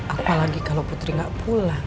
apalagi kalau putri gak pulang